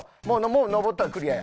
もう登ったらクリアや。